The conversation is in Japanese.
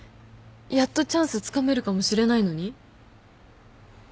やっとチャンスつかめるかもしれないのに？